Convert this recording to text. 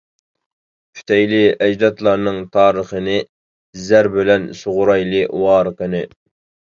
پۈتەيلى ئەجدادلارنىڭ تارىخىنى، زەر بىلەن سۇغىرايلى ۋارىقىنى.